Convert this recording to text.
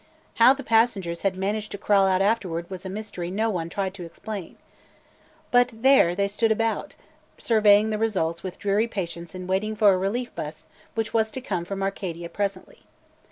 How the passengers had managed to crawl out afterward was a mystery no one tried to explain. But there they stood about, surveying the results with dreary patience and waiting for a relief bus which was to come from Arcadia presently.